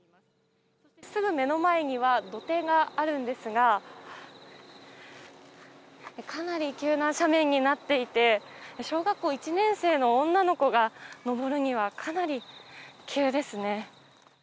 すぐ目の前には土手があるんですがかなり急な斜面になっていて小学校１年生の女の子が登るには、かなり急ですね。